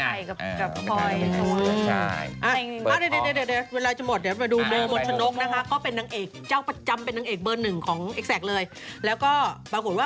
อันนี้ก็ขายเสื้อไง